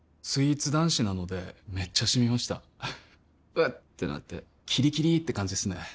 スイーツ男子なのでめっちゃシミました「うっ」ってなってキリキリって感じですね